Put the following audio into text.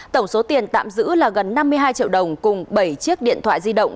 tổng số tiền tạm giữ là gần năm mươi hai triệu đồng cùng bảy chiếc điện thoại di động